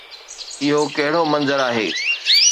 اهو ڪهڙو منظر آهي؟